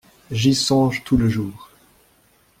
J’y songe tout le jour.